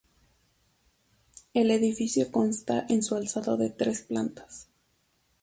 El edificio consta en su alzado de tres plantas.